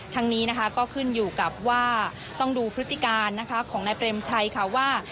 ทั้งนี้นะคะก็ขึ้นอยู่กับว่าต้องดูพฤติการนะคะของนายเปรมชัยค่ะว่า